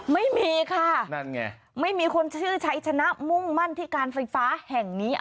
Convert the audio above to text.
ไม่มีค่ะนั่นไงไม่มีคนชื่อชัยชนะมุ่งมั่นที่การไฟฟ้าแห่งนี้